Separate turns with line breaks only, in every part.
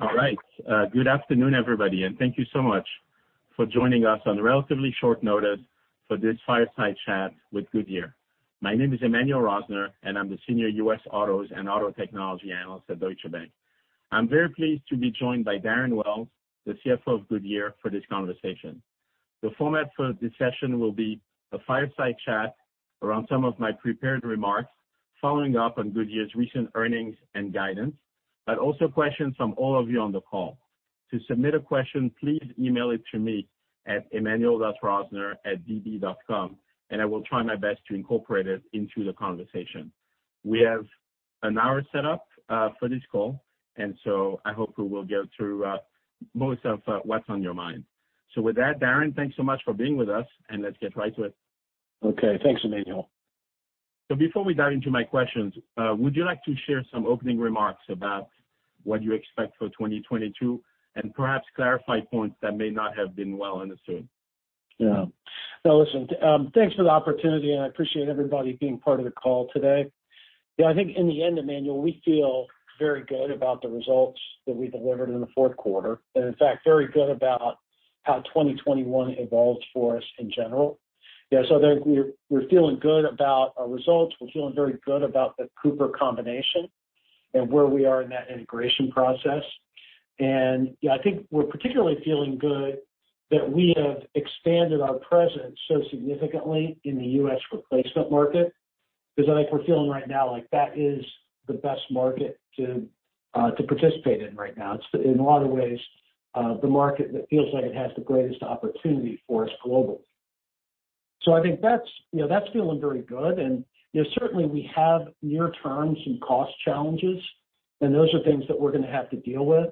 All right. Good afternoon, everybody, and thank you so much for joining us on relatively short notice for this fireside chat with Goodyear. My name is Emmanuel Rosner, and I'm the Senior U.S. Autos and Auto Technology Analyst at Deutsche Bank. I'm very pleased to be joined by Darren Wells, the CFO of Goodyear, for this conversation. The format for this session will be a fireside chat around some of my prepared remarks, following up on Goodyear's recent earnings and guidance, but also questions from all of you on the call. To submit a question, please email it to me at emmanuel.rosner@db.com, and I will try my best to incorporate it into the conversation. We have an hour set up for this call, and so I hope we will get through most of what's on your mind. So with that, Darren, thanks so much for being with us, and let's get right to it.
Okay. Thanks, Emmanuel.
So before we dive into my questions, would you like to share some opening remarks about what you expect for 2022 and perhaps clarify points that may not have been well understood?
Yeah. No, listen, thanks for the opportunity, and I appreciate everybody being part of the call today. Yeah, I think in the end, Emmanuel, we feel very good about the results that we delivered in the fourth quarter, and in fact, very good about how 2021 evolved for us in general. Yeah, so I think we're feeling good about our results. We're feeling very good about the Cooper combination and where we are in that integration process. And yeah, I think we're particularly feeling good that we have expanded our presence so significantly in the U.S. replacement market because I think we're feeling right now like that is the best market to participate in right now. It's, in a lot of ways, the market that feels like it has the greatest opportunity for us globally. So I think that's feeling very good. And certainly, we have near-term some cost challenges, and those are things that we're going to have to deal with.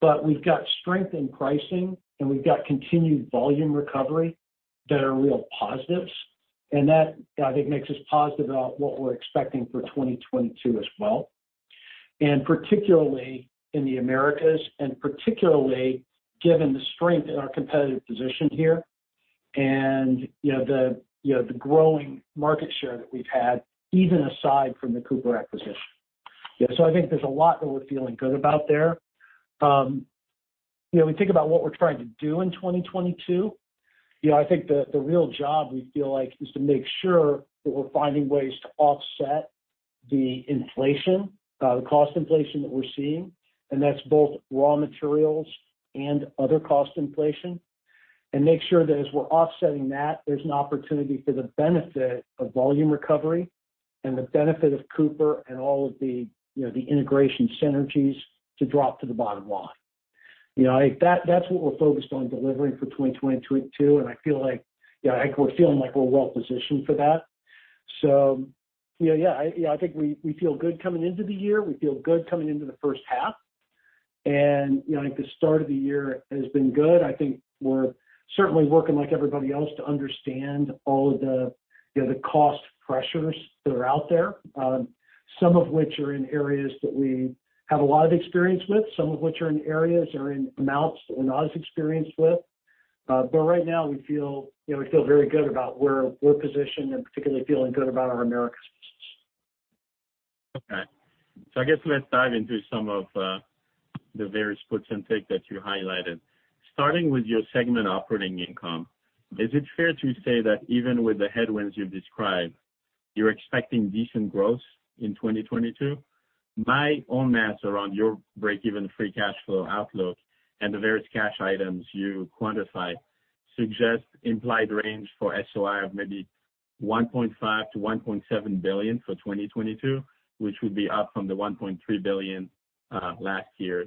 But we've got strength in pricing, and we've got continued volume recovery that are real positives. And that, I think, makes us positive about what we're expecting for 2022 as well, and particularly in the Americas, and particularly given the strength in our competitive position here and the growing market share that we've had, even aside from the Cooper acquisition. Yeah, so I think there's a lot that we're feeling good about there. When we think about what we're trying to do in 2022, I think the real job we feel like is to make sure that we're finding ways to offset the inflation, the cost inflation that we're seeing, and that's both raw materials and other cost inflation, and make sure that as we're offsetting that, there's an opportunity for the benefit of volume recovery and the benefit of Cooper and all of the integration synergies to drop to the bottom line. That's what we're focused on delivering for 2022, and I feel like we're feeling like we're well positioned for that. So yeah, I think we feel good coming into the year. We feel good coming into the first half. And I think the start of the year has been good. I think we're certainly working like everybody else to understand all of the cost pressures that are out there, some of which are in areas that we have a lot of experience with, some of which are in areas or in amounts that we're not as experienced with. But right now, we feel very good about where we're positioned and particularly feeling good about our Americas business.
Okay. I guess let's dive into some of the various puts and takes that you highlighted. Starting with your segment operating income, is it fair to say that even with the headwinds you've described, you're expecting decent growth in 2022? My own math around your break-even free cash flow outlook and the various cash items you quantify suggest implied range for SOI of maybe $1.5 billion-$1.7 billion for 2022, which would be up from the $1.3 billion last year.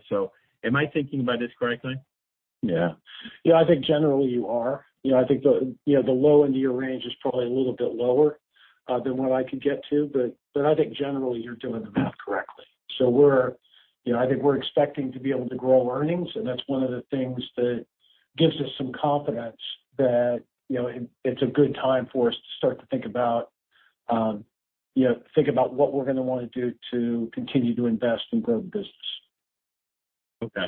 Am I thinking about this correctly?
Yeah. Yeah, I think generally you are. I think the low end of your range is probably a little bit lower than what I could get to, but I think generally you're doing the math correctly. So I think we're expecting to be able to grow earnings, and that's one of the things that gives us some confidence that it's a good time for us to start to think about what we're going to want to do to continue to invest and grow the business.
Okay,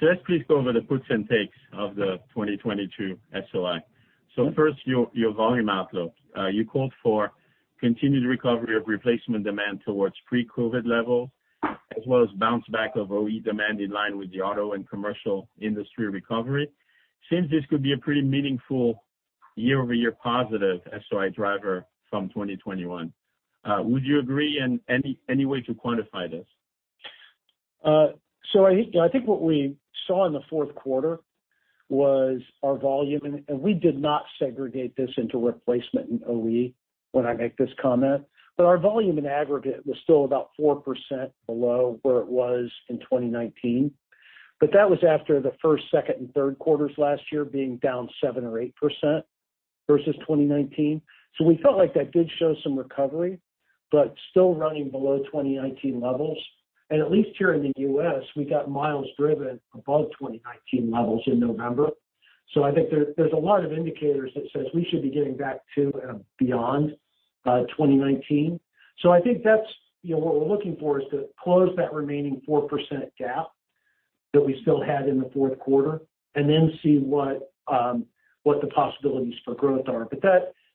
so let's please go over the puts and takes of the 2022 SOI. So first, your volume outlook. You called for continued recovery of replacement demand towards pre-COVID levels, as well as bounce back of OE demand in line with the auto and commercial industry recovery. Seems this could be a pretty meaningful year-over-year positive SOI driver from 2021. Would you agree, and any way to quantify this?
I think what we saw in the fourth quarter was our volume, and we did not segregate this into replacement and OE when I make this comment. But our volume in aggregate was still about 4% below where it was in 2019. But that was after the first, second, and third quarters last year being down 7% or 8% versus 2019. So we felt like that did show some recovery, but still running below 2019 levels. And at least here in the U.S., we got miles driven above 2019 levels in November. So I think there's a lot of indicators that say we should be getting back to and beyond 2019. So I think what we're looking for is to close that remaining 4% gap that we still had in the fourth quarter and then see what the possibilities for growth are. But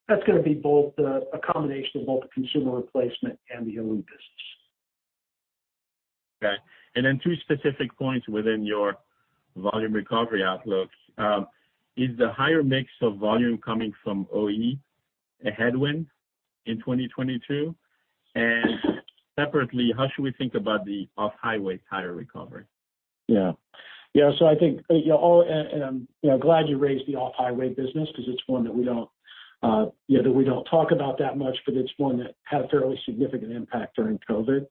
that's going to be both a combination of both the consumer replacement and the OE business.
Okay. And then two specific points within your volume recovery outlook. Is the higher mix of volume coming from OE a headwind in 2022? And separately, how should we think about the off-highway tire recovery?
Yeah. Yeah. So I think I'm glad you raised the off-highway business because it's one that we don't talk about that much, but it's one that had a fairly significant impact during COVID.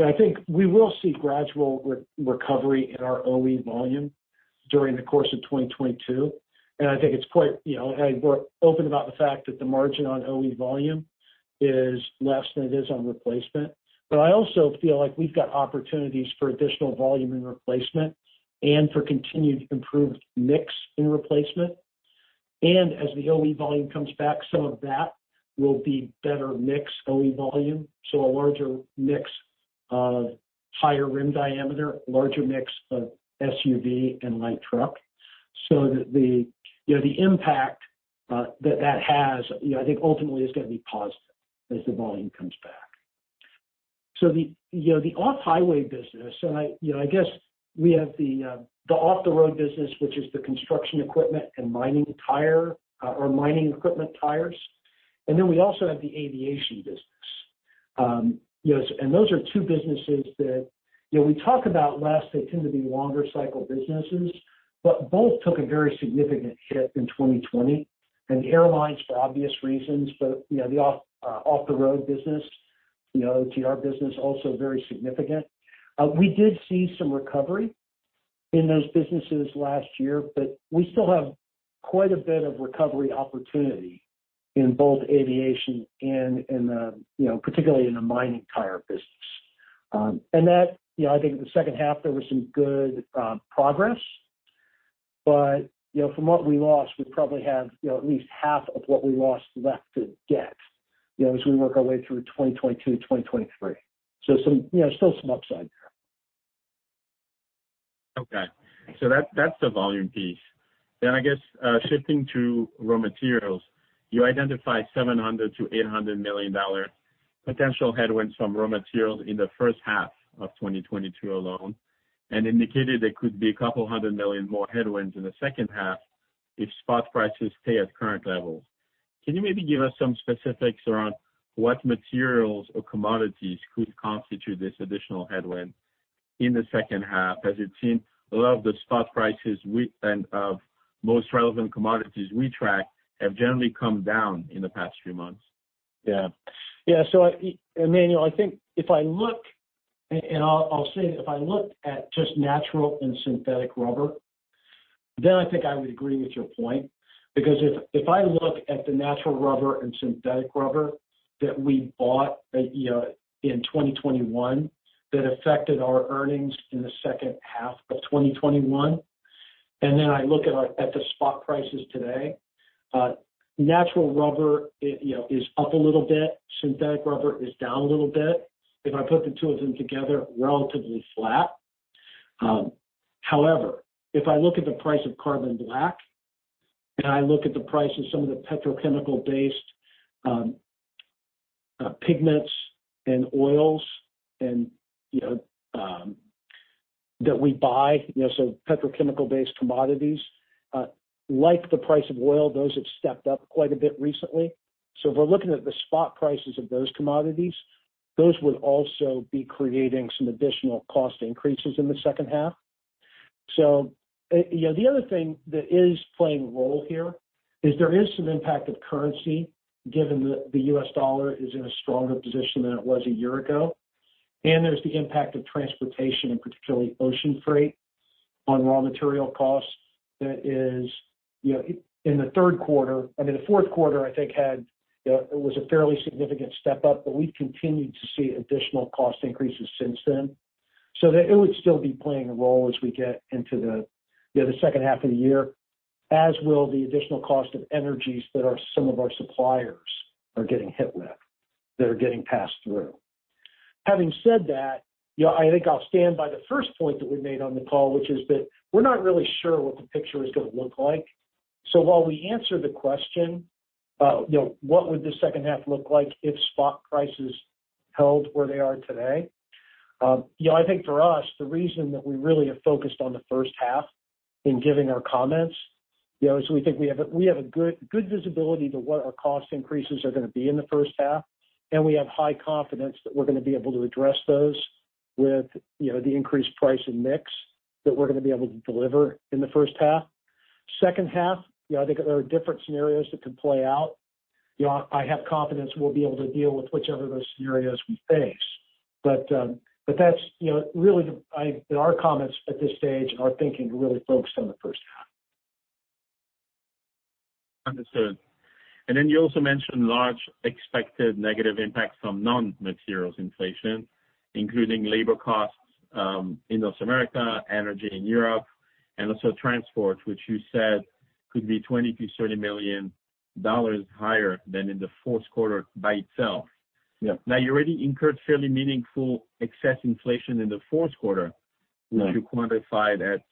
But I think we will see gradual recovery in our OE volume during the course of 2022. I think I'm open about the fact that the margin on OE volume is less than it is on replacement. But I also feel like we've got opportunities for additional volume in replacement and for continued improved mix in replacement. As the OE volume comes back, some of that will be better mix OE volume, so a larger mix of higher rim diameter, larger mix of SUV and light truck. The impact that that has, I think ultimately is going to be positive as the volume comes back. The off-highway business, and I guess we have the Off-the-Road business, which is the construction equipment and mining tire or mining equipment tires. And then we also have the aviation business. And those are two businesses that we talked about last. They tend to be longer-cycle businesses, but both took a very significant hit in 2020. And the airlines, for obvious reasons, but the Off-the-Road business, the OTR business, also very significant. We did see some recovery in those businesses last year, but we still have quite a bit of recovery opportunity in both aviation and particularly in the mining tire business. And I think in the second half, there was some good progress. But from what we lost, we probably have at least half of what we lost left to get as we work our way through 2022, 2023. So still some upside there.
Okay. So that's the volume piece. Then I guess shifting to raw materials, you identified $700 million-$800 million potential headwinds from raw materials in the first half of 2022 alone and indicated there could be a couple hundred million more headwinds in the second half if spot prices stay at current levels. Can you maybe give us some specifics around what materials or commodities could constitute this additional headwind in the second half? As it seemed, a lot of the spot prices and of most relevant commodities we track have generally come down in the past few months.
Yeah. Yeah. So, Emmanuel, I think if I look and I'll say that if I looked at just natural and synthetic rubber, then I think I would agree with your point because if I look at the natural rubber and synthetic rubber that we bought in 2021 that affected our earnings in the second half of 2021, and then I look at the spot prices today, natural rubber is up a little bit. Synthetic rubber is down a little bit. If I put the two of them together, relatively flat. However, if I look at the price of carbon black and I look at the price of some of the petrochemical-based pigments and oils that we buy, so petrochemical-based commodities, like the price of oil, those have stepped up quite a bit recently. So if we're looking at the spot prices of those commodities, those would also be creating some additional cost increases in the second half. So the other thing that is playing a role here is there is some impact of currency given that the U.S. dollar is in a stronger position than it was a year ago. And there's the impact of transportation, and particularly ocean freight, on raw material costs that is in the third quarter. I mean, the fourth quarter, I think, had. It was a fairly significant step up, but we've continued to see additional cost increases since then. So it would still be playing a role as we get into the second half of the year, as will the additional cost of energies that some of our suppliers are getting hit with that are getting passed through. Having said that, I think I'll stand by the first point that we made on the call, which is that we're not really sure what the picture is going to look like. So while we answer the question, what would the second half look like if spot prices held where they are today? I think for us, the reason that we really have focused on the first half in giving our comments is we think we have a good visibility to what our cost increases are going to be in the first half, and we have high confidence that we're going to be able to address those with the increased price and mix that we're going to be able to deliver in the first half. Second half, I think there are different scenarios that could play out. I have confidence we'll be able to deal with whichever of those scenarios we face. But that's really our comments at this stage are thinking really focused on the first half.
Understood. And then you also mentioned large expected negative impacts from non-materials inflation, including labor costs in North America, energy in Europe, and also transport, which you said could be $20 million-$30 million higher than in the fourth quarter by itself. Now, you already incurred fairly meaningful excess inflation in the fourth quarter, which you quantified at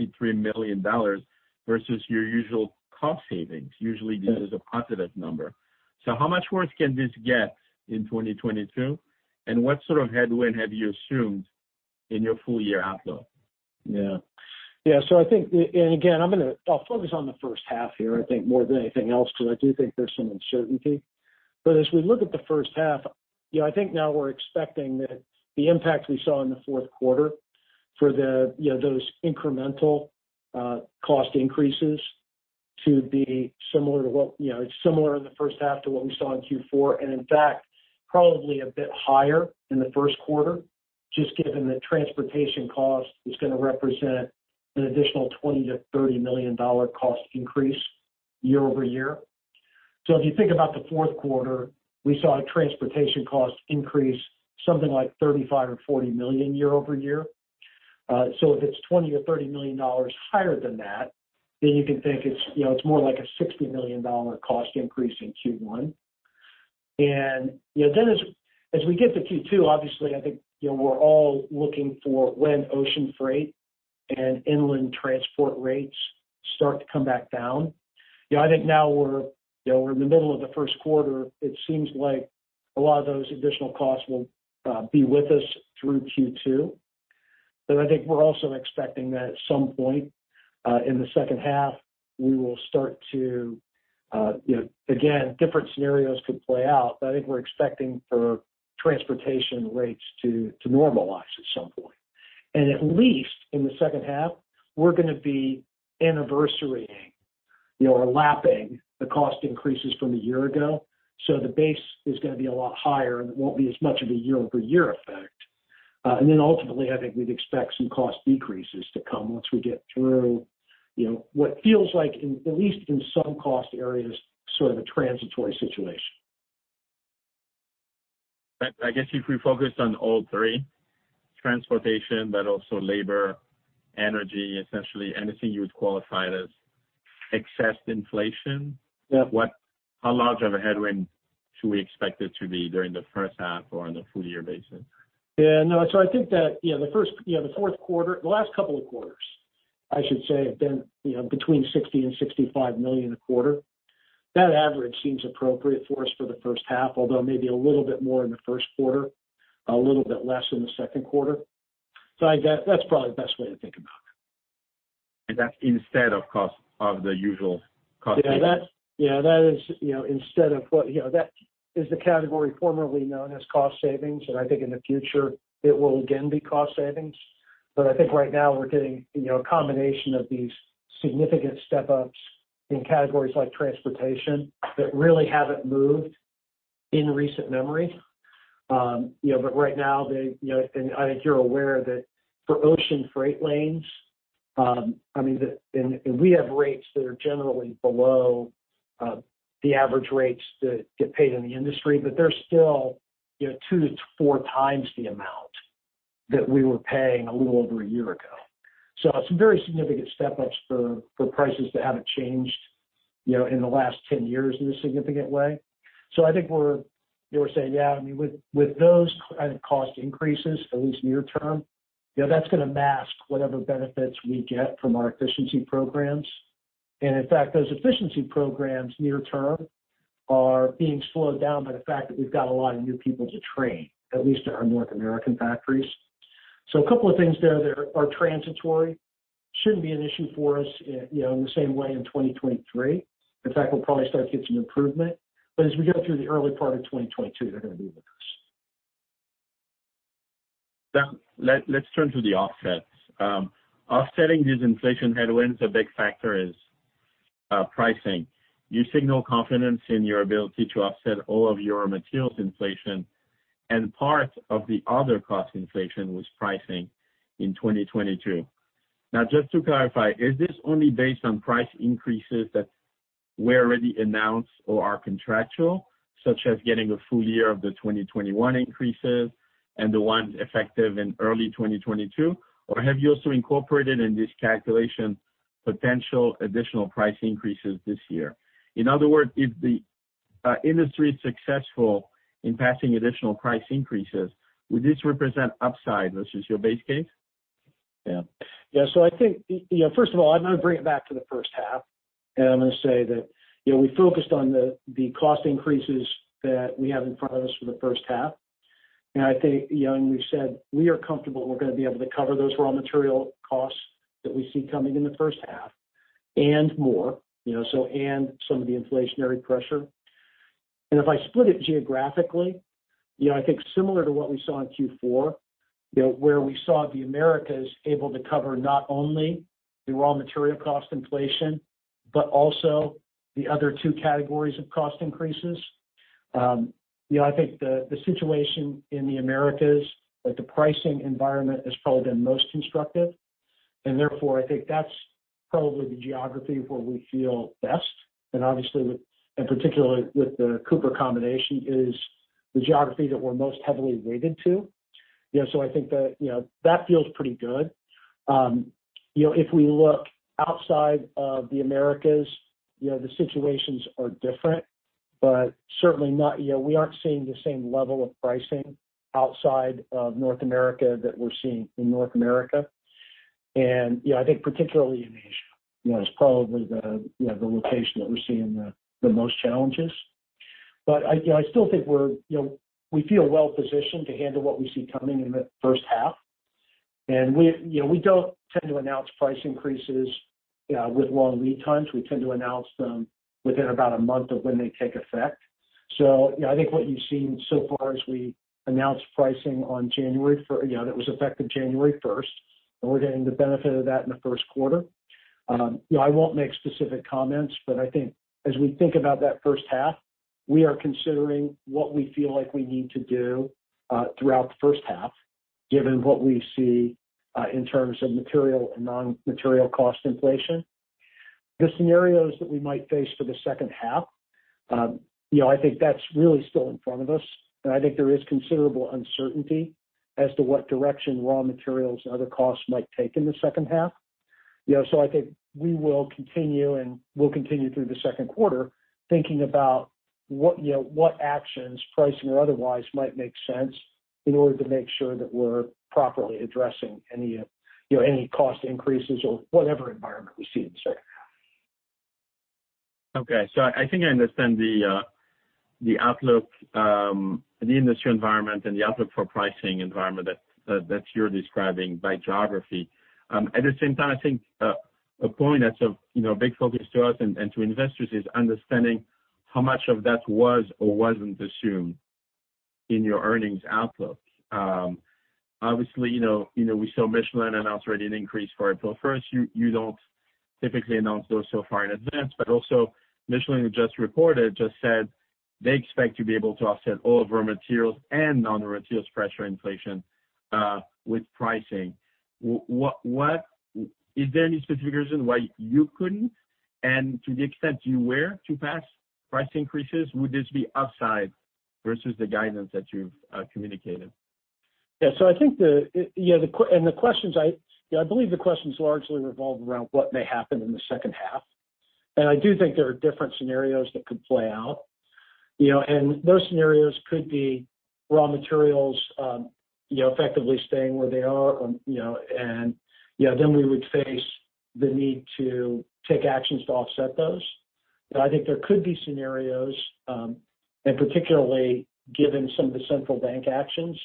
$63 million versus your usual cost savings. Usually, this is a positive number. So how much worse can this get in 2022? And what sort of headwind have you assumed in your full-year outlook?
Yeah. Yeah. So I think, and again, I'll focus on the first half here, I think, more than anything else because I do think there's some uncertainty. But as we look at the first half, I think now we're expecting that the impact we saw in the fourth quarter for those incremental cost increases to be similar to what it's similar in the first half to what we saw in Q4 and, in fact, probably a bit higher in the first quarter, just given that transportation cost is going to represent an additional $20 million-$30 million cost increase year-over-year. So if you think about the fourth quarter, we saw transportation cost increase something like $35 or $40 million year-over-year. So if it's $20 or $30 million higher than that, then you can think it's more like a $60 million cost increase in Q1. And then as we get to Q2, obviously, I think we're all looking for when ocean freight and inland transport rates start to come back down. I think now we're in the middle of the first quarter. It seems like a lot of those additional costs will be with us through Q2. But I think we're also expecting that at some point in the second half, we will start to again, different scenarios could play out, but I think we're expecting for transportation rates to normalize at some point. And at least in the second half, we're going to be anniversarying or lapping the cost increases from a year ago. So the base is going to be a lot higher. It won't be as much of a year-over-year effect. Then ultimately, I think we'd expect some cost decreases to come once we get through what feels like, at least in some cost areas, sort of a transitory situation.
I guess if we focus on all three: transportation, but also labor, energy, essentially anything you would qualify as excess inflation, how large of a headwind should we expect it to be during the first half or on a full-year basis?
Yeah. No. So I think that the fourth quarter, the last couple of quarters, I should say, have been between $60 million and $65 million a quarter. That average seems appropriate for us for the first half, although maybe a little bit more in the first quarter, a little bit less in the second quarter. So that's probably the best way to think about it.
That's instead of cost of the usual cost savings?
Yeah. Yeah. That is, instead of what that is, the category formerly known as cost savings. And I think in the future, it will again be cost savings. But I think right now we're getting a combination of these significant step-ups in categories like transportation that really haven't moved in recent memory. But right now, I think you're aware that for ocean freight lanes, I mean, we have rates that are generally below the average rates that get paid in the industry, but they're still two to four times the amount that we were paying a little over a year ago. So some very significant step-ups for prices that haven't changed in the last 10 years in a significant way. So I think we're saying, yeah, I mean, with those kind of cost increases, at least near-term, that's going to mask whatever benefits we get from our efficiency programs. And in fact, those efficiency programs near-term are being slowed down by the fact that we've got a lot of new people to train, at least at our North American factories. So a couple of things there that are transitory shouldn't be an issue for us in the same way in 2023. In fact, we'll probably start to get some improvement. But as we go through the early part of 2022, they're going to be with us.
Let's turn to the offsets. Offsetting these inflation headwinds, a big factor is pricing. You signal confidence in your ability to offset all of your materials inflation and part of the other cost inflation, which is pricing in 2022. Now, just to clarify, is this only based on price increases that were already announced or are contractual, such as getting a full year of the 2021 increases and the ones effective in early 2022? Or have you also incorporated in this calculation potential additional price increases this year? In other words, if the industry is successful in passing additional price increases, would this represent upside versus your base case?
Yeah. Yeah. So I think, first of all, I'm going to bring it back to the first half. And I'm going to say that we focused on the cost increases that we have in front of us for the first half. And I think, and we've said we are comfortable we're going to be able to cover those raw material costs that we see coming in the first half and more, and some of the inflationary pressure. And if I split it geographically, I think similar to what we saw in Q4, where we saw the Americas able to cover not only the raw material cost inflation, but also the other two categories of cost increases. I think the situation in the Americas, the pricing environment, has probably been most constructive. And therefore, I think that's probably the geography where we feel best. And obviously, and particularly with the Cooper combination, is the geography that we're most heavily weighted to. So I think that feels pretty good. If we look outside of the Americas, the situations are different, but certainly we aren't seeing the same level of pricing outside of North America that we're seeing in North America. And I think particularly in Asia, it's probably the location that we're seeing the most challenges. But I still think we feel well-positioned to handle what we see coming in the first half. And we don't tend to announce price increases with long lead times. We tend to announce them within about a month of when they take effect. So I think what you've seen so far is we announced pricing on January that was effective January 1st, and we're getting the benefit of that in the first quarter. I won't make specific comments, but I think as we think about that first half, we are considering what we feel like we need to do throughout the first half, given what we see in terms of material and non-material cost inflation. The scenarios that we might face for the second half, I think that's really still in front of us, and I think there is considerable uncertainty as to what direction raw materials and other costs might take in the second half, so I think we will continue and will continue through the second quarter thinking about what actions, pricing or otherwise, might make sense in order to make sure that we're properly addressing any cost increases or whatever environment we see in the second half.
Okay. I think I understand the outlook, the industry environment, and the outlook for pricing environment that you're describing by geography. At the same time, I think a point that's of big focus to us and to investors is understanding how much of that was or wasn't assumed in your earnings outlook. Obviously, we saw Michelin announce already an increase for April 1st. You don't typically announce those so far in advance, but also Michelin just reported, just said they expect to be able to offset all of raw materials and non-raw materials pressure inflation with pricing. Is there any specific reason why you couldn't, and to the extent you were to pass price increases, would this be upside versus the guidance that you've communicated?
Yeah. So I think the questions, I believe, largely revolve around what may happen in the second half. And I do think there are different scenarios that could play out. And those scenarios could be raw materials effectively staying where they are, and then we would face the need to take actions to offset those. I think there could be scenarios, and particularly given some of the central bank actions,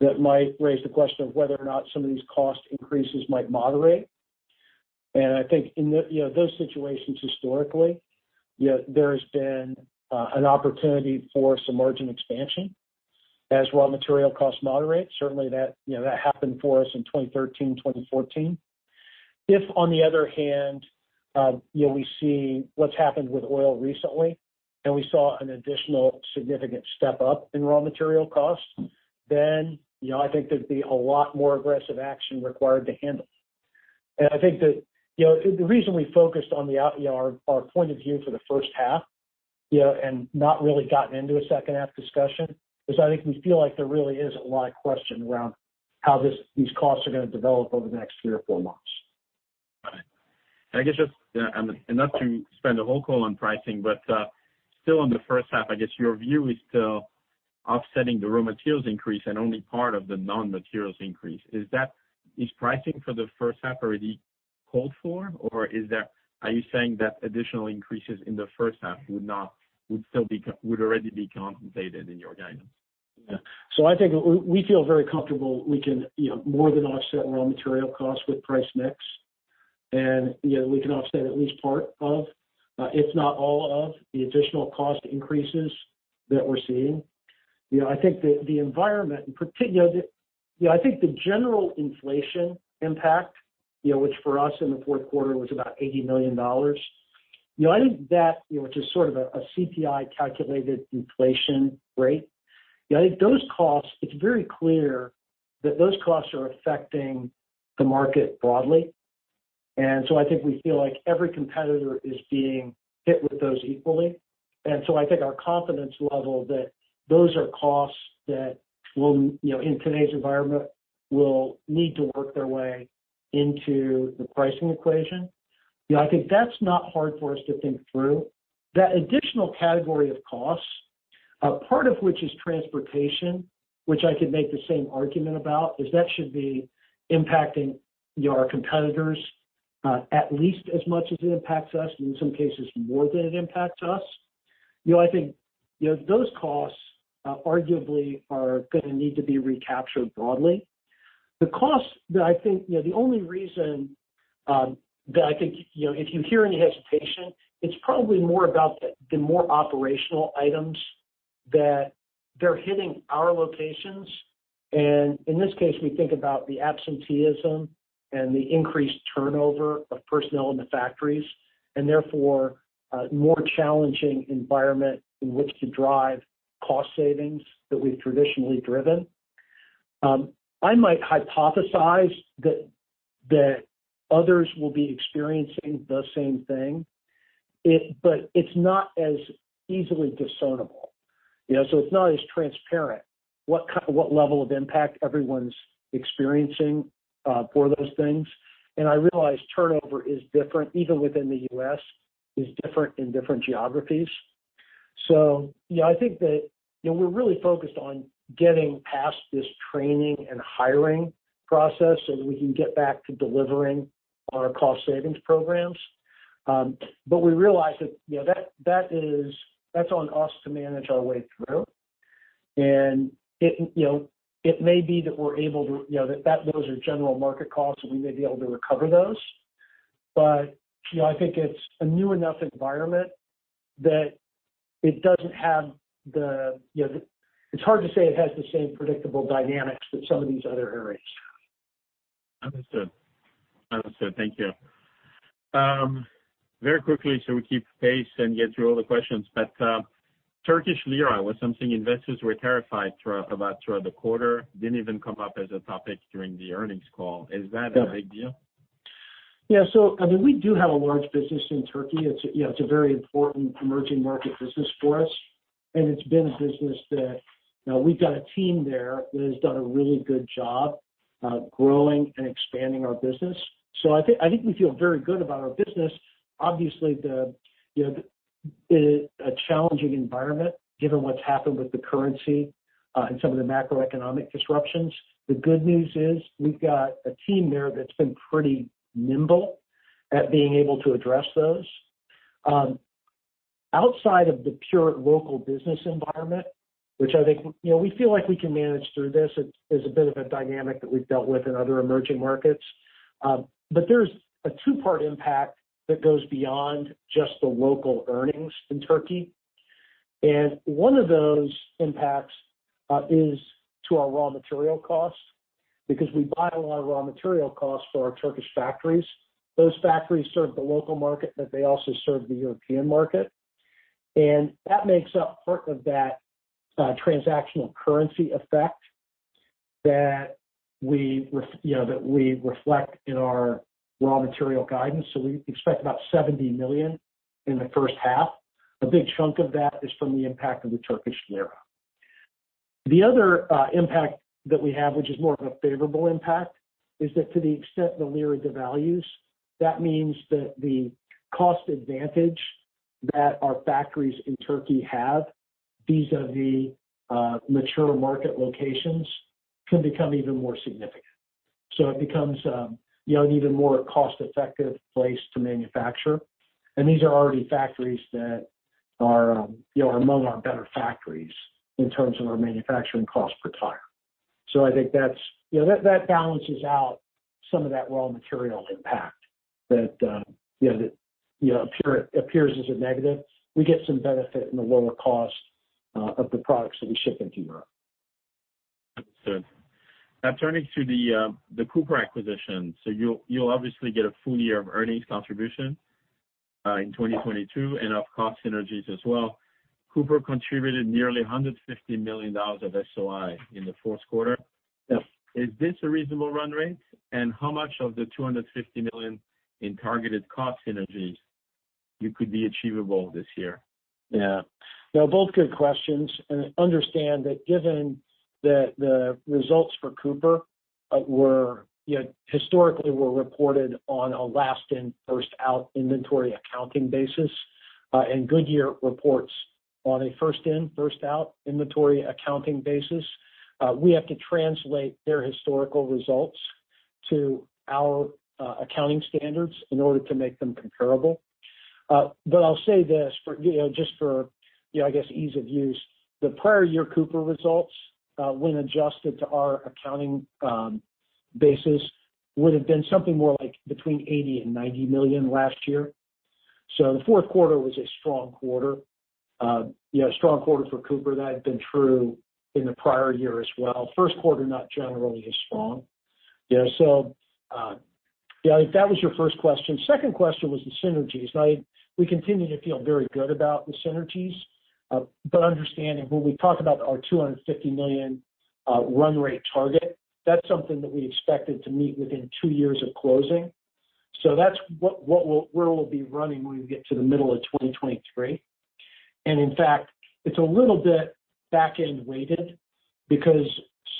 that might raise the question of whether or not some of these cost increases might moderate. And I think in those situations, historically, there has been an opportunity for some margin expansion as raw material costs moderate. Certainly, that happened for us in 2013, 2014. If, on the other hand, we see what's happened with oil recently, and we saw an additional significant step-up in raw material costs, then I think there'd be a lot more aggressive action required to handle it. And I think that the reason we focused on our point of view for the first half and not really gotten into a second-half discussion is I think we feel like there really is a lot of question around how these costs are going to develop over the next three or four months.
Got it. And I guess just enough to spend a whole call on pricing, but still on the first half, I guess your view is still offsetting the raw materials increase and only part of the non-materials increase. Is pricing for the first half already called for? Or are you saying that additional increases in the first half would already be compensated in your guidance?
Yeah. So I think we feel very comfortable we can more than offset raw material costs with price mix, and we can offset at least part of, if not all of, the additional cost increases that we're seeing. I think that the environment, in particular, I think the general inflation impact, which for us in the fourth quarter was about $80 million, I think that, which is sort of a CPI-calculated inflation rate, I think those costs, it's very clear that those costs are affecting the market broadly, and so I think we feel like every competitor is being hit with those equally, and so I think our confidence level that those are costs that, in today's environment, will need to work their way into the pricing equation. I think that's not hard for us to think through. That additional category of costs, part of which is transportation, which I could make the same argument about, is that should be impacting our competitors at least as much as it impacts us, and in some cases, more than it impacts us. I think those costs arguably are going to need to be recaptured broadly. The costs that I think the only reason that I think if you hear any hesitation, it's probably more about the more operational items that they're hitting our locations, and in this case, we think about the absenteeism and the increased turnover of personnel in the factories, and therefore, a more challenging environment in which to drive cost savings that we've traditionally driven. I might hypothesize that others will be experiencing the same thing, but it's not as easily discernible, so it's not as transparent what level of impact everyone's experiencing for those things. And I realize turnover is different, even within the U.S., is different in different geographies. So I think that we're really focused on getting past this training and hiring process so that we can get back to delivering our cost savings programs. But we realize that that's on us to manage our way through. And it may be that we're able to that those are general market costs, and we may be able to recover those. But I think it's a new enough environment that it doesn't have the it's hard to say it has the same predictable dynamics that some of these other areas have.
Understood. Thank you. Very quickly, so we keep pace and get through all the questions. But Turkish lira was something investors were terrified about throughout the quarter, didn't even come up as a topic during the earnings call. Is that a big deal?
Yeah. So I mean, we do have a large business in Turkey. It's a very important emerging market business for us. And it's been a business that we've got a team there that has done a really good job growing and expanding our business. So I think we feel very good about our business. Obviously, in a challenging environment, given what's happened with the currency and some of the macroeconomic disruptions, the good news is we've got a team there that's been pretty nimble at being able to address those. Outside of the pure local business environment, which I think we feel like we can manage through this, there's a bit of a dynamic that we've dealt with in other emerging markets. But there's a two-part impact that goes beyond just the local earnings in Turkey. One of those impacts is to our raw material costs because we buy a lot of raw material costs for our Turkish factories. Those factories serve the local market, but they also serve the European market. And that makes up part of that transactional currency effect that we reflect in our raw material guidance. So we expect about $70 million in the first half. A big chunk of that is from the impact of the Turkish lira. The other impact that we have, which is more of a favorable impact, is that to the extent the lira devalues, that means that the cost advantage that our factories in Turkey have vis-à-vis mature market locations can become even more significant. So it becomes an even more cost-effective place to manufacture. And these are already factories that are among our better factories in terms of our manufacturing cost per tire. So I think that balances out some of that raw material impact that appears as a negative. We get some benefit in the lower cost of the products that we ship into Europe.
Understood. Now, turning to the Cooper acquisition. So you'll obviously get a full year of earnings contribution in 2022 and of cost synergies as well. Cooper contributed nearly $150 million of SOI in the fourth quarter. Is this a reasonable run rate? And how much of the $250 million in targeted cost synergies could be achievable this year?
Yeah. They're both good questions, and understand that given that the results for Cooper historically were reported on a last-in-first-out inventory accounting basis, and Goodyear reports on a first-in-first-out inventory accounting basis, we have to translate their historical results to our accounting standards in order to make them comparable. But I'll say this just for, I guess, ease of use. The prior year Cooper results, when adjusted to our accounting basis, would have been something more like between $80 million and $90 million last year. So the fourth quarter was a strong quarter, a strong quarter for Cooper. That had been true in the prior year as well. First quarter not generally as strong. So yeah, if that was your first question. Second question was the synergies. Now, we continue to feel very good about the synergies, but understanding when we talk about our $250 million run rate target, that's something that we expected to meet within two years of closing. So that's where we'll be running when we get to the middle of 2023. And in fact, it's a little bit back-end weighted because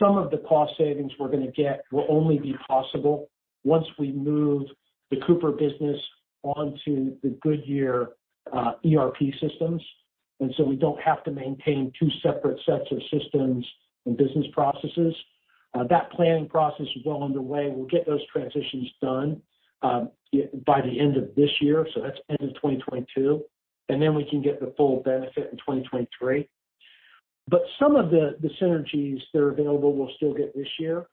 some of the cost savings we're going to get will only be possible once we move the Cooper business onto the Goodyear ERP systems. And so we don't have to maintain two separate sets of systems and business processes. That planning process is well underway. We'll get those transitions done by the end of this year. So that's end of 2022. And then we can get the full benefit in 2023. But some of the synergies that are available we'll still get this year.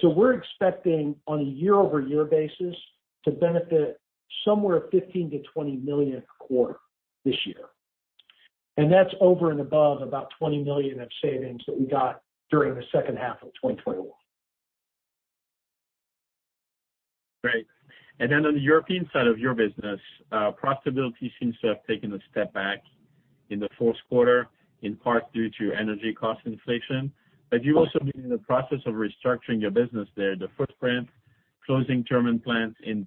So we're expecting on a year-over-year basis to benefit somewhere $15 million-$20 million a quarter this year. That's over and above about $20 million of savings that we got during the second half of 2021.
Great. And then on the European side of your business, profitability seems to have taken a step back in the fourth quarter, in part due to energy cost inflation. But you also been in the process of restructuring your business there, the footprint closing plants in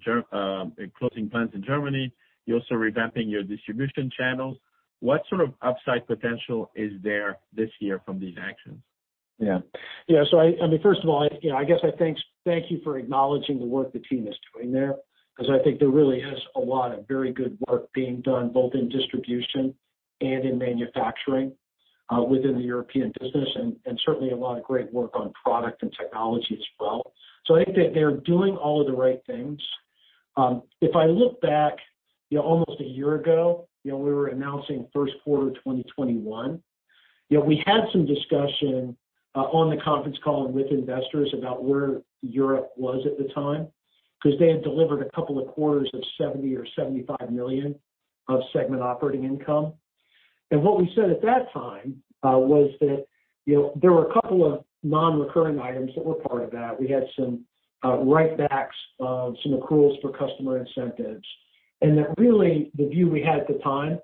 Germany. You're also revamping your distribution channels. What sort of upside potential is there this year from these actions?
Yeah. Yeah. So I mean, first of all, I guess I thank you for acknowledging the work the team is doing there because I think there really is a lot of very good work being done, both in distribution and in manufacturing within the European business, and certainly a lot of great work on product and technology as well. So I think that they're doing all of the right things. If I look back, almost a year ago, we were announcing first quarter 2021. We had some discussion on the conference call with investors about where Europe was at the time because they had delivered a couple of quarters of $70 million or $75 million of segment operating income. And what we said at that time was that there were a couple of non-recurring items that were part of that. We had some write-backs of some accruals for customer incentives. That really the view we had at the time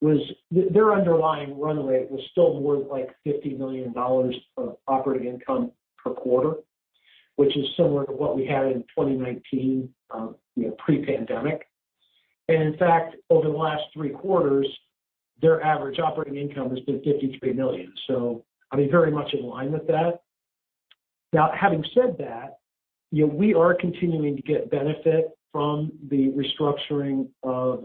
was their underlying run rate was still more like $50 million of operating income per quarter, which is similar to what we had in 2019 pre-pandemic. And in fact, over the last three quarters, their average operating income has been $53 million. So I mean, very much in line with that. Now, having said that, we are continuing to get benefit from the restructuring of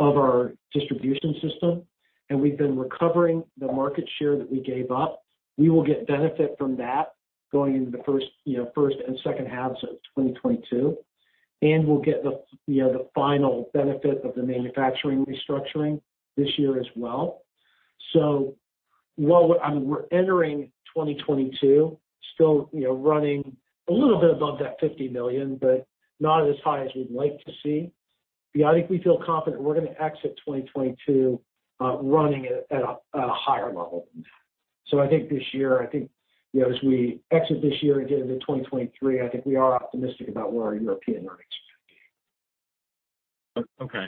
our distribution system. And we've been recovering the market share that we gave up. We will get benefit from that going into the first and second halves of 2022. And we'll get the final benefit of the manufacturing restructuring this year as well. So I mean, we're entering 2022, still running a little bit above that $50 million, but not as high as we'd like to see. But I think we feel confident we're going to exit 2022 running at a higher level than that. So I think this year, I think as we exit this year and get into 2023, I think we are optimistic about where our European earnings are going to be.
Okay.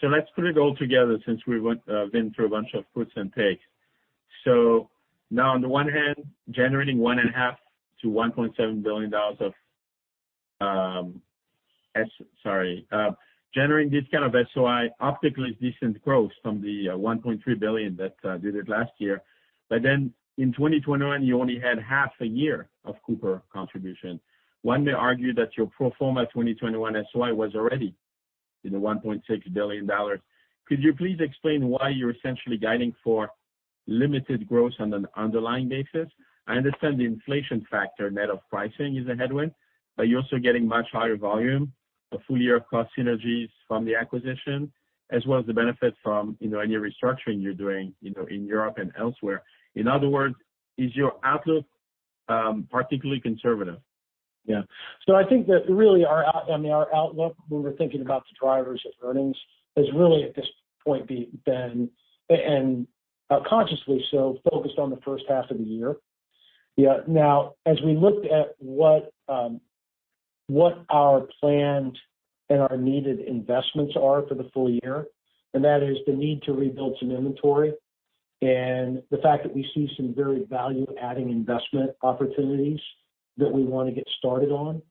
So let's put it all together since we've been through a bunch of puts and takes. So now, on the one hand, generating $1.5 billion-$1.7 billion of sorry, generating this kind of SOI optically is decent growth from the $1.3 billion that did it last year. But then in 2021, you only had half a year of Cooper contribution. One may argue that your pro forma 2021 SOI was already $1.6 billion. Could you please explain why you're essentially guiding for limited growth on an underlying basis? I understand the inflation factor net of pricing is a headwind, but you're also getting much higher volume, a full year of cost synergies from the acquisition, as well as the benefit from any restructuring you're doing in Europe and elsewhere. In other words, is your outlook particularly conservative?
Yeah. So I think that really our outlook, when we're thinking about the drivers of earnings, has really at this point been and consciously so focused on the first half of the year. Now, as we looked at what our planned and our needed investments are for the full year, and that is the need to rebuild some inventory and the fact that we see some very value-adding investment opportunities that we want to get started on,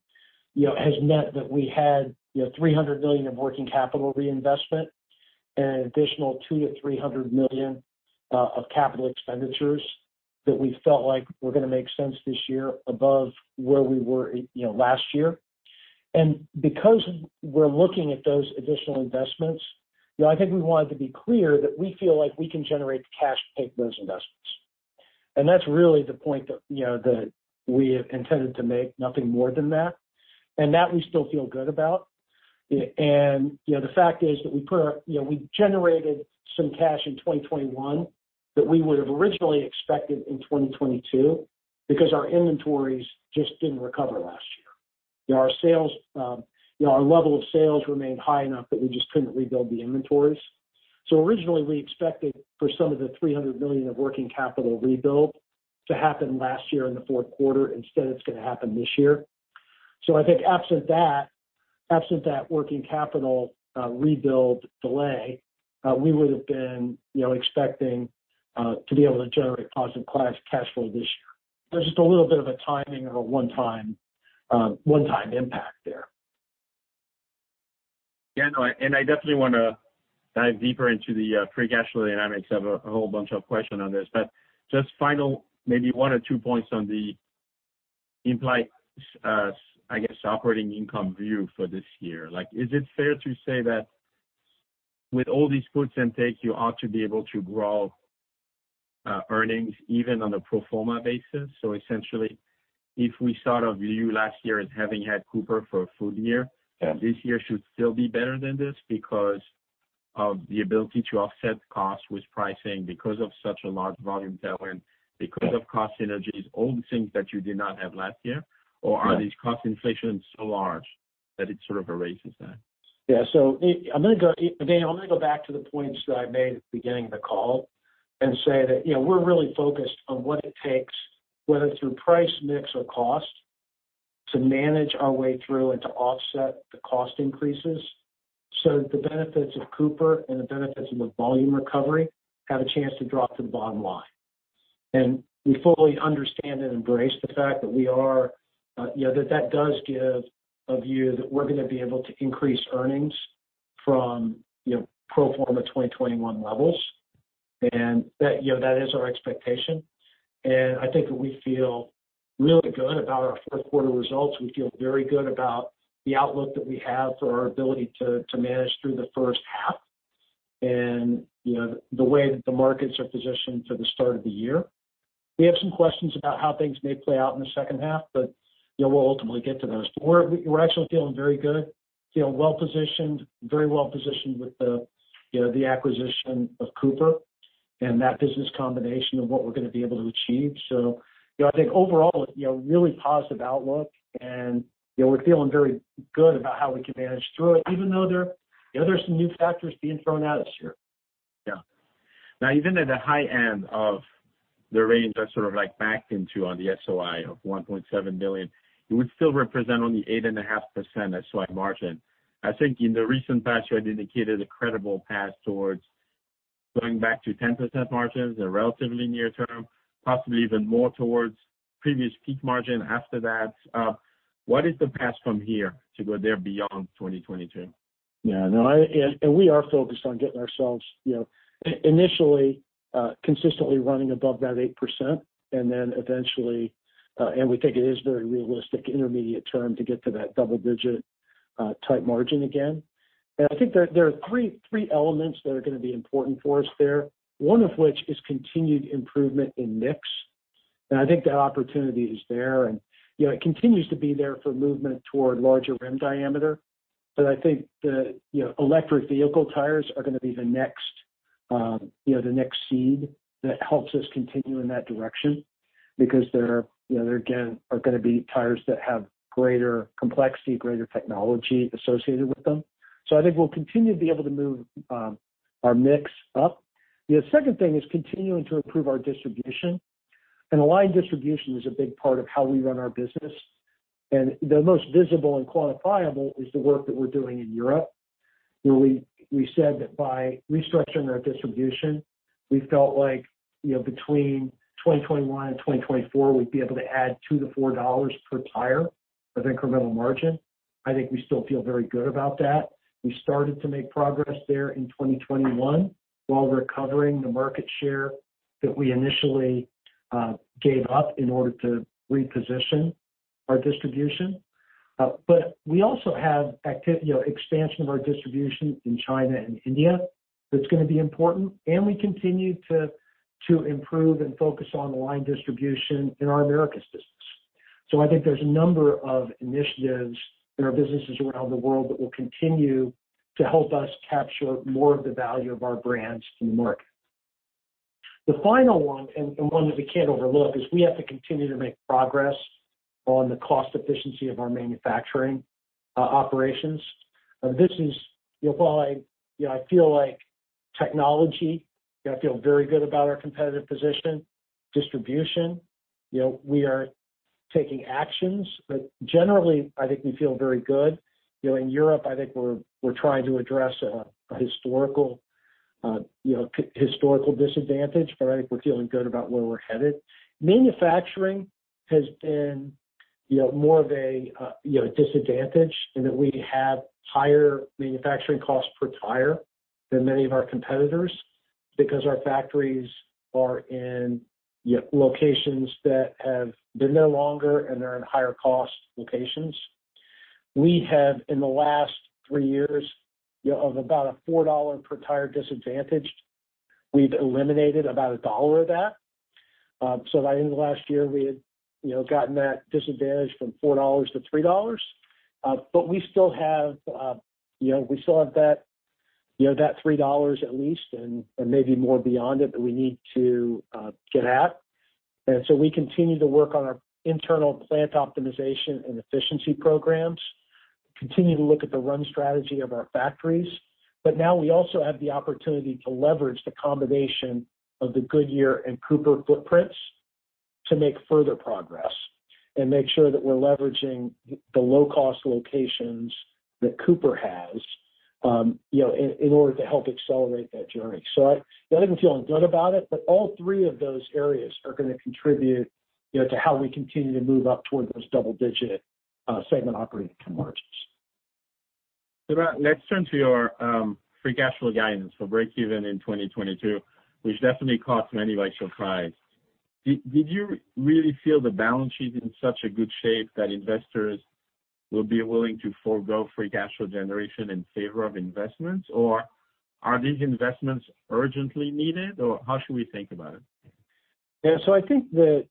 has meant that we had $300 million of working capital reinvestment and an additional $200 million-$300 million of capital expenditures that we felt like were going to make sense this year above where we were last year. And because we're looking at those additional investments, I think we wanted to be clear that we feel like we can generate cash to take those investments. That's really the point that we intended to make, nothing more than that. That we still feel good about. The fact is that we generated some cash in 2021 that we would have originally expected in 2022 because our inventories just didn't recover last year. Our level of sales remained high enough that we just couldn't rebuild the inventories. Originally, we expected for some of the $300 million of working capital rebuild to happen last year in the fourth quarter. Instead, it's going to happen this year. I think absent that working capital rebuild delay, we would have been expecting to be able to generate positive cash flow this year. There's just a little bit of a timing or a one-time impact there.
Yeah. And I definitely want to dive deeper into the free cash flow dynamics of a whole bunch of questions on this. But just final, maybe one or two points on the implied, I guess, operating income view for this year. Is it fair to say that with all these puts and takes, you ought to be able to grow earnings even on a pro forma basis? So essentially, if we sort of view last year as having had Cooper for a full year, this year should still be better than this because of the ability to offset costs with pricing because of such a large volume tailwind, because of cost synergies, all the things that you did not have last year? Or are these cost inflations so large that it sort of erases that?
Yeah. So I'm going to go again. I'm going to go back to the points that I made at the beginning of the call and say that we're really focused on what it takes, whether through price, mix, or cost, to manage our way through and to offset the cost increases so that the benefits of Cooper and the benefits of the volume recovery have a chance to drop to the bottom line. And we fully understand and embrace the fact that that does give a view that we're going to be able to increase earnings from pro forma 2021 levels. And that is our expectation. And I think that we feel really good about our fourth quarter results. We feel very good about the outlook that we have for our ability to manage through the first half and the way that the markets are positioned for the start of the year. We have some questions about how things may play out in the second half, but we'll ultimately get to those. We're actually feeling very good, feel well-positioned, very well-positioned with the acquisition of Cooper and that business combination of what we're going to be able to achieve. So I think overall, really positive outlook, and we're feeling very good about how we can manage through it, even though there's some new factors being thrown at us here.
Yeah. Now, even at the high end of the range I sort of backed into on the SOI of $1.7 million, it would still represent only 8.5% SOI margin. I think in the recent past, you had indicated a credible path towards going back to 10% margins in relatively near term, possibly even more towards previous peak margin after that. What is the path from here to go there beyond 2022?
Yeah. And we are focused on getting ourselves initially consistently running above that 8%. And then eventually, and we think it is very realistic intermediate term to get to that double-digit type margin again. And I think there are three elements that are going to be important for us there, one of which is continued improvement in mix. And I think that opportunity is there. And it continues to be there for movement toward larger rim diameter. But I think the electric vehicle tires are going to be the next seed that helps us continue in that direction because there are going to be tires that have greater complexity, greater technology associated with them. So I think we'll continue to be able to move our mix up. The second thing is continuing to improve our distribution. And aligned distribution is a big part of how we run our business. The most visible and quantifiable is the work that we're doing in Europe, where we said that by restructuring our distribution, we felt like between 2021 and 2024, we'd be able to add $2-$4 per tire of incremental margin. I think we still feel very good about that. We started to make progress there in 2021 while recovering the market share that we initially gave up in order to reposition our distribution. But we also have expansion of our distribution in China and India. That's going to be important. And we continue to improve and focus on aligned distribution in our Americas business. So I think there's a number of initiatives in our businesses around the world that will continue to help us capture more of the value of our brands in the market. The final one, and one that we can't overlook, is we have to continue to make progress on the cost efficiency of our manufacturing operations. This is why I feel like technology, I feel very good about our competitive position, distribution. We are taking actions. But generally, I think we feel very good. In Europe, I think we're trying to address a historical disadvantage, but I think we're feeling good about where we're headed. Manufacturing has been more of a disadvantage in that we have higher manufacturing costs per tire than many of our competitors because our factories are in locations that have been there longer and are in higher cost locations. We have, in the last three years of about a $4 per tire disadvantage, we've eliminated about $1 of that. So by the end of last year, we had gotten that disadvantage from $4 to $3. But we still have that $3 at least and maybe more beyond it that we need to get at. And so we continue to work on our internal plant optimization and efficiency programs, continue to look at the run strategy of our factories. But now we also have the opportunity to leverage the combination of the Goodyear and Cooper footprints to make further progress and make sure that we're leveraging the low-cost locations that Cooper has in order to help accelerate that journey. So I think we're feeling good about it. But all three of those areas are going to contribute to how we continue to move up toward those double-digit segment operating margins.
Let's turn to your free cash flow guidance for break-even in 2022, which definitely caught many by surprise. Did you really feel the balance sheet in such a good shape that investors will be willing to forego free cash flow generation in favor of investments? Or are these investments urgently needed? Or how should we think about it?
Yeah. So I think that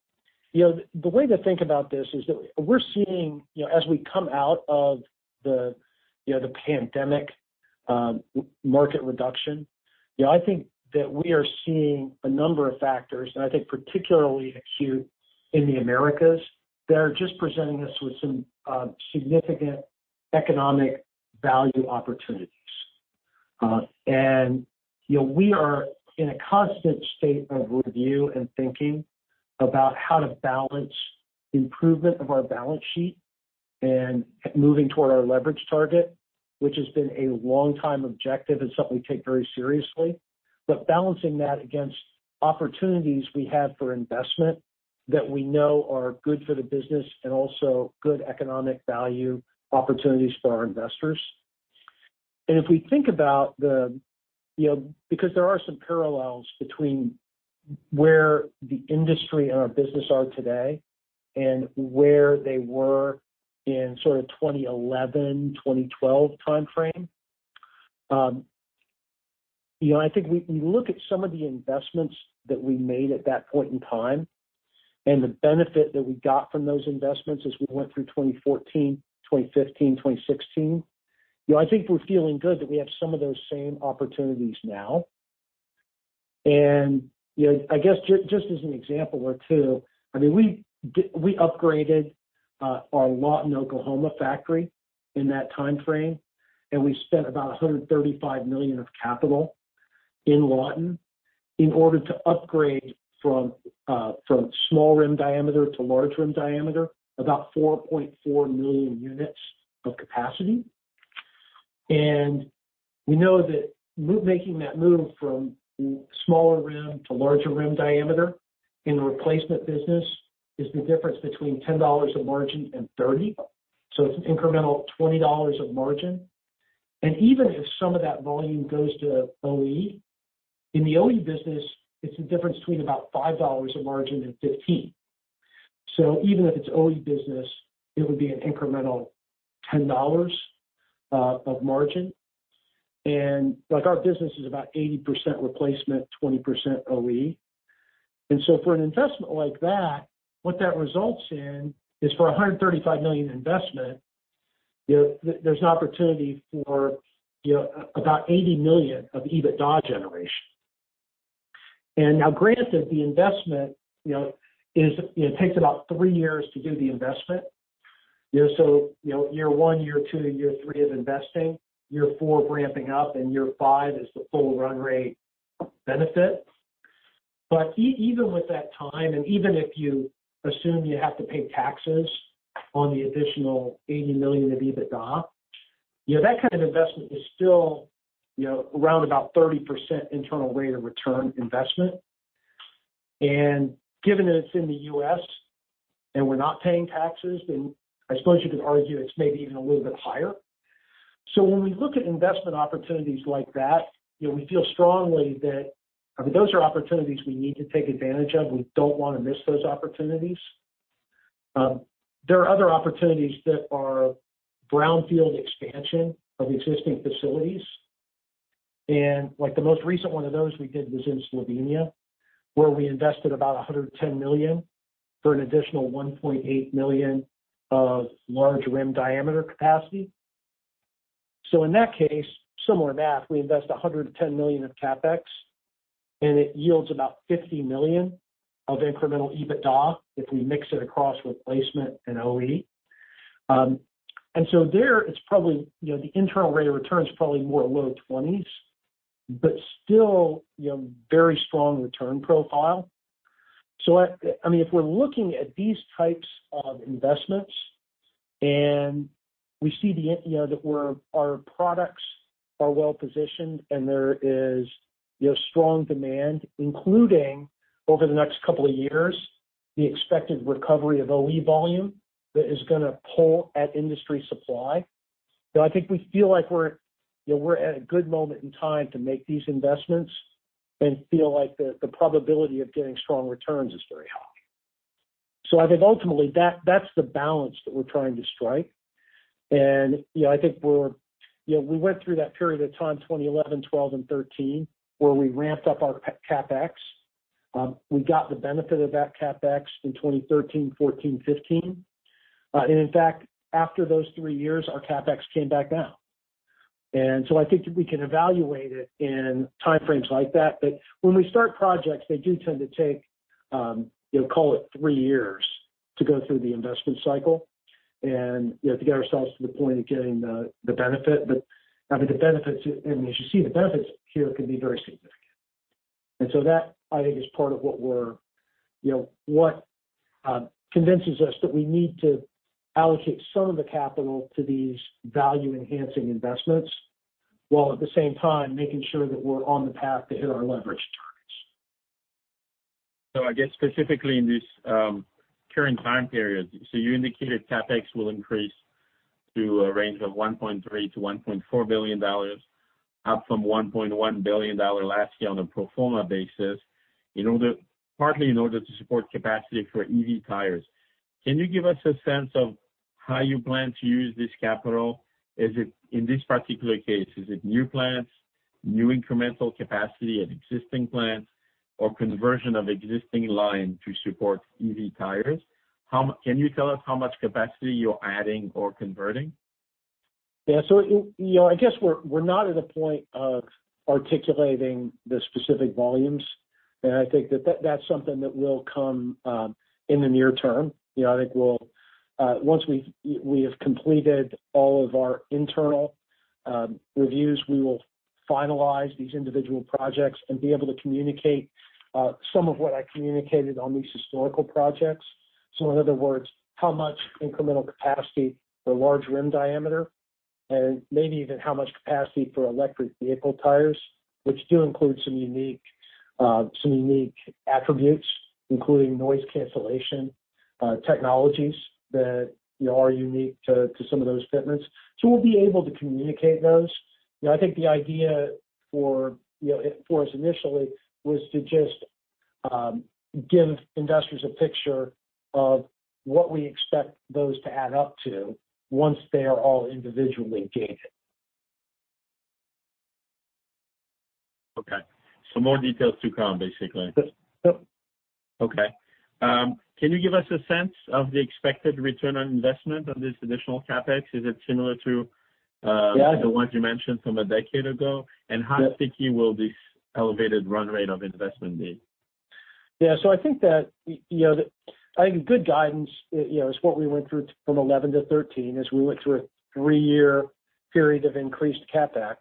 the way to think about this is that we're seeing, as we come out of the pandemic market reduction, I think that we are seeing a number of factors, and I think particularly acute in the Americas that are just presenting us with some significant economic value opportunities. We are in a constant state of review and thinking about how to balance improvement of our balance sheet and moving toward our leverage target, which has been a long-time objective and something we take very seriously. Balancing that against opportunities we have for investment that we know are good for the business and also good economic value opportunities for our investors. If we think about that because there are some parallels between where the industry and our business are today and where they were in sort of 2011, 2012 timeframe. I think we look at some of the investments that we made at that point in time, and the benefit that we got from those investments as we went through 2014, 2015, 2016. I think we're feeling good that we have some of those same opportunities now. And I guess just as an example or two, I mean, we upgraded our Lawton, Oklahoma factory in that timeframe, and we spent about $135 million of capital in Lawton in order to upgrade from small rim diameter to large rim diameter, about 4.4 million units of capacity. And we know that making that move from smaller rim to larger rim diameter in the replacement business is the difference between $10 of margin and $30. So it's an incremental $20 of margin. Even if some of that volume goes to OE, in the OE business, it's the difference between about $5 of margin and $15. So even if it's OE business, it would be an incremental $10 of margin. Our business is about 80% replacement, 20% OE. For an investment like that, what that results in is for a $135 million investment, there's an opportunity for about $80 million of EBITDA generation. Now granted, the investment takes about three years to do the investment. Year one, year two, year three of investing, year four ramping up, and year five is the full run rate benefit. Even with that time, and even if you assume you have to pay taxes on the additional $80 million of EBITDA, that kind of investment is still around about 30% internal rate of return investment. Given that it's in the U.S. and we're not paying taxes, then I suppose you could argue it's maybe even a little bit higher. When we look at investment opportunities like that, we feel strongly that those are opportunities we need to take advantage of. We don't want to miss those opportunities. There are other opportunities that are brownfield expansion of existing facilities. The most recent one of those we did was in Slovenia, where we invested about $110 million for an additional 1.8 million of large rim diameter capacity. In that case, similar math, we invest $110 million of CapEx, and it yields about $50 million of incremental EBITDA if we mix it across replacement and OE. There, it's probably the internal rate of return is probably more low 20s, but still very strong return profile. So I mean, if we're looking at these types of investments and we see that our products are well-positioned and there is strong demand, including over the next couple of years, the expected recovery of OE volume that is going to pull at industry supply, I think we feel like we're at a good moment in time to make these investments and feel like the probability of getting strong returns is very high. So I think ultimately, that's the balance that we're trying to strike. And I think we went through that period of time, 2011, 2012, and 2013, where we ramped up our CapEx. We got the benefit of that CapEx in 2013, 2014, 2015. And in fact, after those three years, our CapEx came back down. And so I think that we can evaluate it in timeframes like that. But when we start projects, they do tend to take, call it, three years to go through the investment cycle and to get ourselves to the point of getting the benefit. But I mean, the benefits, I mean, as you see, the benefits here can be very significant. And so that, I think, is part of what convinces us that we need to allocate some of the capital to these value-enhancing investments while at the same time making sure that we're on the path to hit our leverage targets.
So I guess specifically in this current time period, so you indicated CapEx will increase to a range of $1.3 billion-$1.4 billion, up from $1.1 billion last year on a pro forma basis, partly in order to support capacity for EV tires. Can you give us a sense of how you plan to use this capital? In this particular case, is it new plants, new incremental capacity at existing plants, or conversion of existing line to support EV tires? Can you tell us how much capacity you're adding or converting?
Yeah. So I guess we're not at a point of articulating the specific volumes. And I think that that's something that will come in the near term. I think once we have completed all of our internal reviews, we will finalize these individual projects and be able to communicate some of what I communicated on these historical projects. So in other words, how much incremental capacity for large rim diameter and maybe even how much capacity for electric vehicle tires, which do include some unique attributes, including noise cancellation technologies that are unique to some of those equipment. So we'll be able to communicate those. I think the idea for us initially was to just give investors a picture of what we expect those to add up to once they are all individually gated.
Okay, so more details to come, basically.
Yep.
Okay. Can you give us a sense of the expected return on investment on this additional CapEx? Is it similar to the ones you mentioned from a decade ago? And how sticky will this elevated run rate of investment be?
Yeah. So I think good guidance is what we went through from 2011 to 2013, as we went through a three-year period of increased CapEx.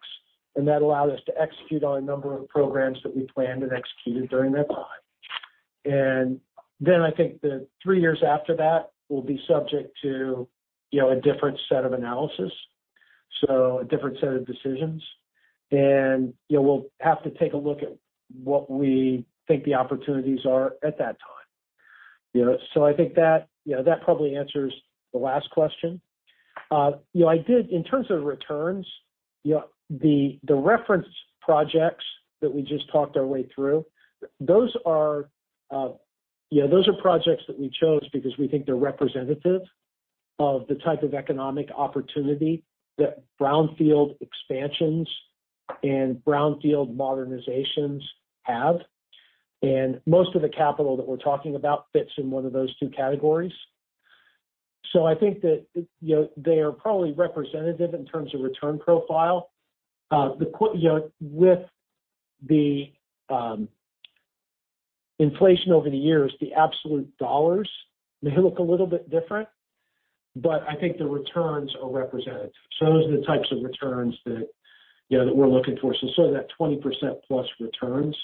That allowed us to execute on a number of programs that we planned and executed during that time. Then I think the three years after that will be subject to a different set of analysis, so a different set of decisions. We'll have to take a look at what we think the opportunities are at that time. So I think that probably answers the last question. In terms of returns, the reference projects that we just talked our way through, those are projects that we chose because we think they're representative of the type of economic opportunity that brownfield expansions and brownfield modernizations have. Most of the capital that we're talking about fits in one of those two categories. I think that they are probably representative in terms of return profile. With the inflation over the years, the absolute dollars may look a little bit different, but I think the returns are representative. Those are the types of returns that we're looking for. Sort of that 20% plus returns,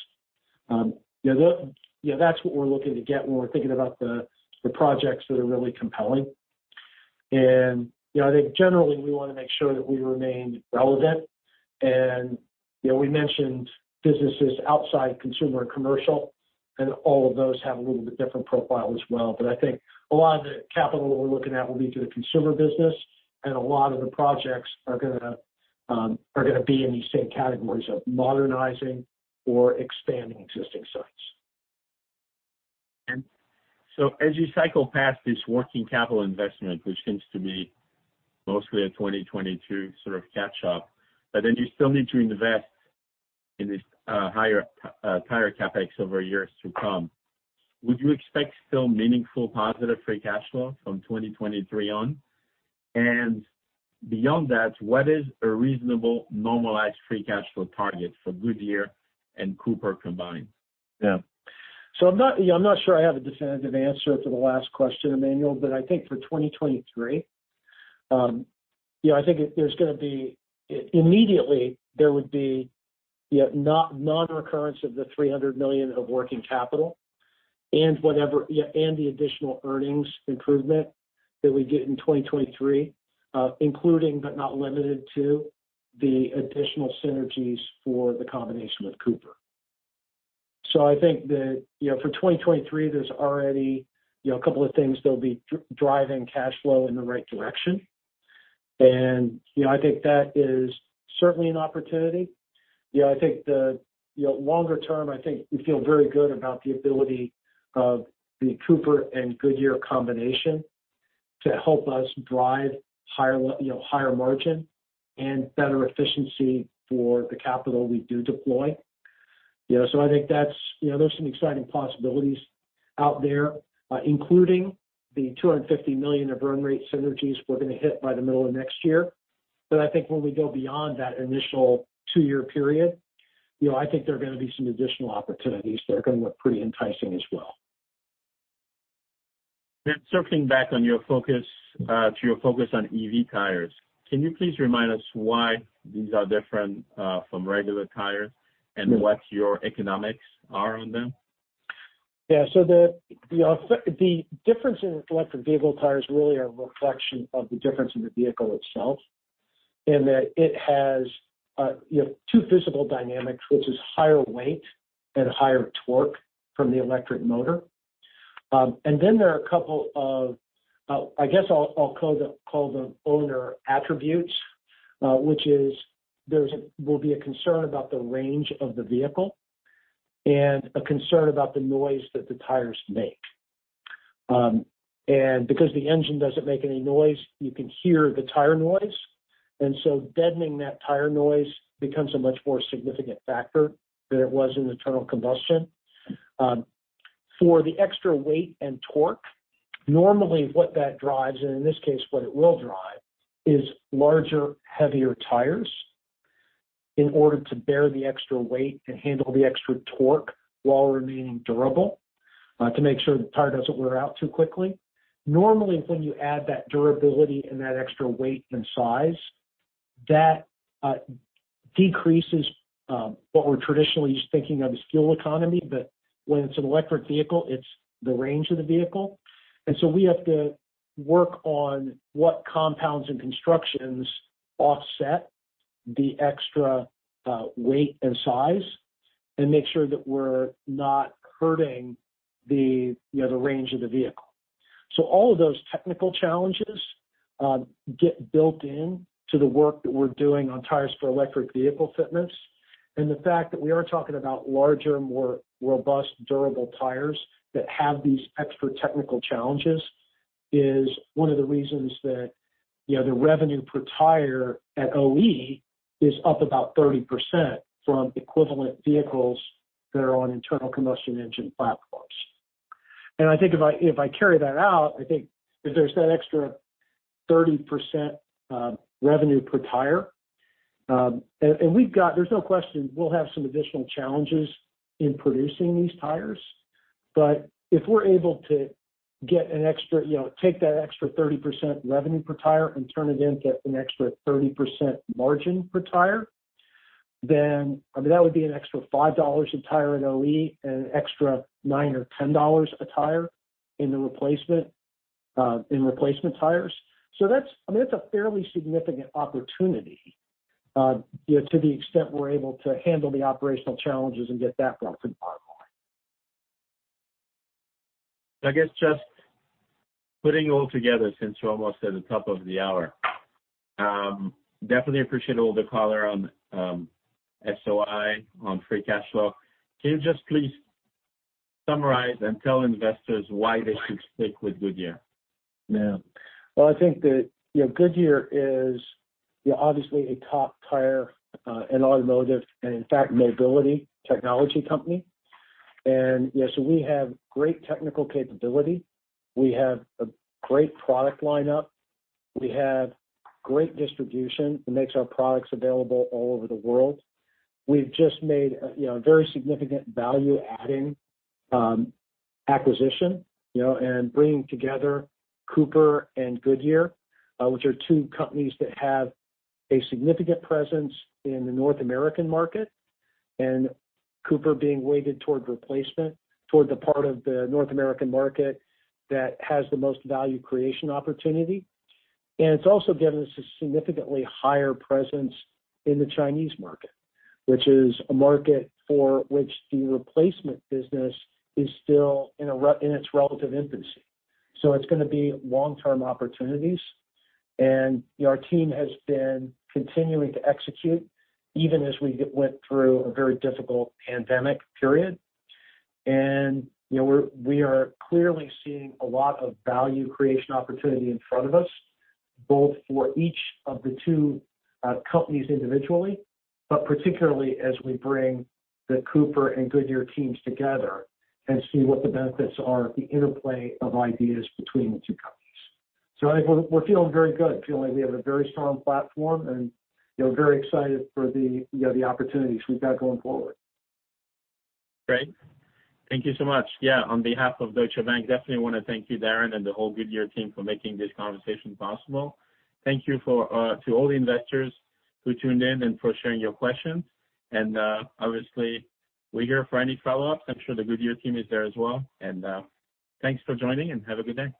that's what we're looking to get when we're thinking about the projects that are really compelling. I think generally, we want to make sure that we remain relevant. We mentioned businesses outside consumer and commercial, and all of those have a little bit different profile as well. But I think a lot of the capital that we're looking at will be for the consumer business, and a lot of the projects are going to be in these same categories of modernizing or expanding existing sites.
And so as you cycle past this working capital investment, which seems to be mostly a 2022 sort of catch-up, but then you still need to invest in this higher tire CapEx over years to come, would you expect still meaningful positive free cash flow from 2023 on? And beyond that, what is a reasonable normalized free cash flow target for Goodyear and Cooper combined?
Yeah. So I'm not sure I have a definitive answer for the last question, Emmanuel, but I think for 2023, I think there's going to be immediately, there would be non-recurrence of the $300 million of working capital and the additional earnings improvement that we get in 2023, including but not limited to the additional synergies for the combination with Cooper. So I think that for 2023, there's already a couple of things that will be driving cash flow in the right direction. I think that is certainly an opportunity. I think the longer term, I think we feel very good about the ability of the Cooper and Goodyear combination to help us drive higher margin and better efficiency for the capital we do deploy. So I think there's some exciting possibilities out there, including the $250 million of run rate synergies we're going to hit by the middle of next year. But I think when we go beyond that initial two-year period, I think there are going to be some additional opportunities that are going to look pretty enticing as well.
Then circling back on your focus on EV tires, can you please remind us why these are different from regular tires and what your economics are on them?
Yeah. So the difference in electric vehicle tires really are a reflection of the difference in the vehicle itself in that it has two physical dynamics, which is higher weight and higher torque from the electric motor. And then there are a couple of, I guess I'll call them owner attributes, which is there will be a concern about the range of the vehicle and a concern about the noise that the tires make. And because the engine doesn't make any noise, you can hear the tire noise. And so deadening that tire noise becomes a much more significant factor than it was in internal combustion. For the extra weight and torque, normally what that drives, and in this case, what it will drive, is larger, heavier tires in order to bear the extra weight and handle the extra torque while remaining durable to make sure the tire doesn't wear out too quickly. Normally, when you add that durability and that extra weight and size, that decreases what we're traditionally just thinking of as fuel economy, but when it's an electric vehicle, it's the range of the vehicle, and so we have to work on what compounds and constructions offset the extra weight and size and make sure that we're not hurting the range of the vehicle, so all of those technical challenges get built into the work that we're doing on tires for electric vehicle fitments. The fact that we are talking about larger, more robust, durable tires that have these extra technical challenges is one of the reasons that the revenue per tire at OE is up about 30% from equivalent vehicles that are on internal combustion engine platforms. I think if I carry that out, I think if there's that extra 30% revenue per tire, and there's no question we'll have some additional challenges in producing these tires. If we're able to get an extra take that extra 30% revenue per tire and turn it into an extra 30% margin per tire, then I mean, that would be an extra $5 a tire at OE and an extra $9 or $10 a tire in replacement tires. So I mean, that's a fairly significant opportunity to the extent we're able to handle the operational challenges and get that brought to the bottom line.
I guess just putting all together since we're almost at the top of the hour. Definitely appreciate all the color on SOI on free cash flow. Can you just please summarize and tell investors why they should stick with Goodyear?
Yeah. Well, I think that Goodyear is obviously a top tire and automotive and, in fact, mobility technology company. And so we have great technical capability. We have a great product lineup. We have great distribution that makes our products available all over the world. We've just made a very significant value-adding acquisition and bringing together Cooper and Goodyear, which are two companies that have a significant presence in the North American market and Cooper being weighted toward replacement, toward the part of the North American market that has the most value creation opportunity. And it's also given us a significantly higher presence in the Chinese market, which is a market for which the replacement business is still in its relative infancy. So it's going to be long-term opportunities. And our team has been continuing to execute even as we went through a very difficult pandemic period. We are clearly seeing a lot of value creation opportunity in front of us, both for each of the two companies individually, but particularly as we bring the Cooper and Goodyear teams together and see what the benefits are, the interplay of ideas between the two companies. I think we're feeling very good feeling like we have a very strong platform and very excited for the opportunities we've got going forward.
Great. Thank you so much. Yeah. On behalf of Deutsche Bank, definitely want to thank you, Darren, and the whole Goodyear team for making this conversation possible. Thank you to all the investors who tuned in and for sharing your questions. And obviously, we're here for any follow-ups. I'm sure the Goodyear team is there as well. And thanks for joining and have a good day.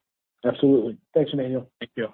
Absolutely. Thanks, Emmanuel.
Thank you.